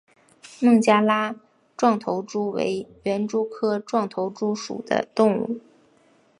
孟加拉壮头蛛为园蛛科壮头蛛属的动物。